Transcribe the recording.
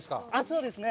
そうですね。